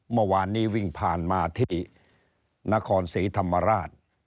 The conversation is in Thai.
เมื่อวานนี้วิ่งผ่านมาที่นครศรีธรรมราช